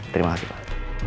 terima kasih pak